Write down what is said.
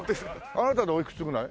あなたでおいくつぐらい？